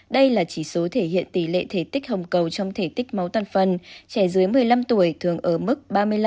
đây là chỉ số thể hiện tỷ lệ thể tích hồng cầu trong thể tích máu toàn phần trẻ dưới một mươi năm tuổi thường ở mức ba mươi năm